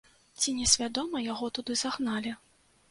Ці не свядома яго туды загналі?